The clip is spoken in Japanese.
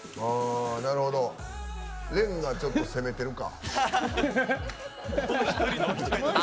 蓮がちょっと攻めてるか。